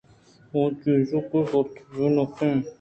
آ چیز کہ پر تو بے نفیں